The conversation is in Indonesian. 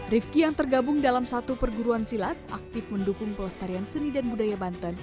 rifki yang tergabung dalam satu perguruan silat aktif mendukung pelestarian seni dan budaya banten